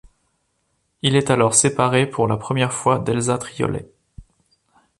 Il est alors séparé pour la première fois d'Elsa Triolet.